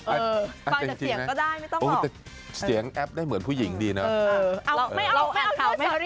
เออเอาจริงเนี่ยหรือฟังแต่เสียงก็ได้ไม่ต้องรอก